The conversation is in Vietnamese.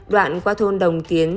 đoạn qua thôn đồng tiến